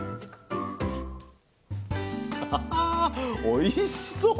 おいしそう！